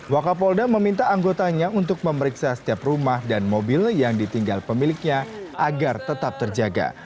wakapolda meminta anggotanya untuk memeriksa setiap rumah dan mobil yang ditinggal pemiliknya agar tetap terjaga